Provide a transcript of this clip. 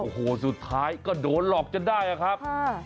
โอ้โหสุดท้ายก็โดนหลอกจนได้อะครับ